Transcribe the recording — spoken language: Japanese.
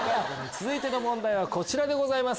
続いての問題はこちらでございます。